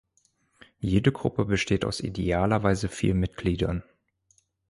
Jede Gruppe besteht aus idealerweise vier Mitgliedern.